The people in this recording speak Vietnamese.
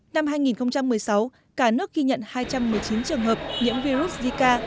năm hai nghìn một mươi sáu cả nước ghi nhận hai trăm một mươi chín trường hợp nhiễm virus zika